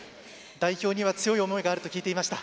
代表には強い思いがあると聞いていました。